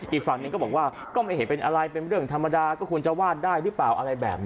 อีกฝั่งหนึ่งก็บอกว่าก็ไม่เห็นเป็นอะไรเป็นเรื่องธรรมดาก็ควรจะวาดได้หรือเปล่าอะไรแบบนี้